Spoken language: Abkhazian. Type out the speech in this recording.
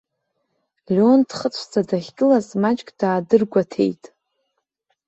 Леон дхыцәӡа дахьгылаз маҷк даадыргәаҭеит.